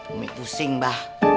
umi pusing mbah